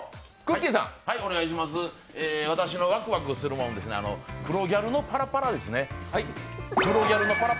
私のワクワクするものですね、黒ギャルのパラパラですね。